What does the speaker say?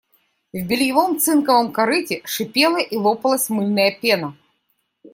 В бельевом цинковом корыте шипела и лопалась мыльная пена.